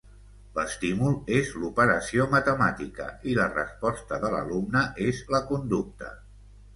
L'estímul és l'operació matemàtica i la resposta de l'alumne és la conducta.